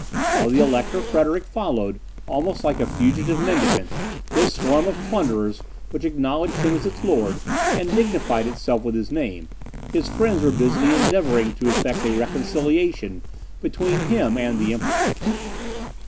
While the Elector Frederick followed, almost like a fugitive mendicant, this swarm of plunderers which acknowledged him as its lord, and dignified itself with his name, his friends were busily endeavouring to effect a reconciliation between him and the Emperor.